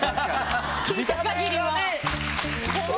聞いた限りは。